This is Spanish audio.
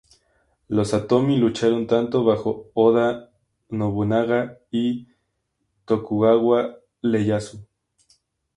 Los "Satomi" lucharon tanto bajo "Oda Nobunaga" y "Tokugawa Ieyasu".